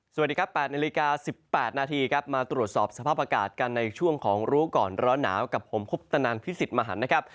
สวัสดีครับ๘นาฬิกา๑๘นาทีครับมาตรวจสอบสภาพอากาศกันในช่วงของรู้ก่อนร้อนหนาวกับผมคุปตนันพิสิทธิ์มหันนะครับ